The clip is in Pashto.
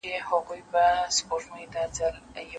اګر نه یارمني عشوه پی هم چیست؟